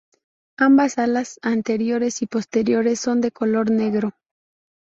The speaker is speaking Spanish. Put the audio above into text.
Ambas alas, anteriores y posteriores, son de color negro.